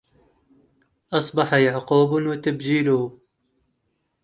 أصبح يعقوب وتبجيله